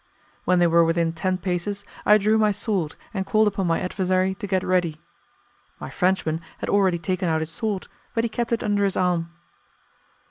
When they were within ten paces I drew my sword and called upon my adversary to get ready. My Frenchman had already taken out his sword, but he kept it under his arm.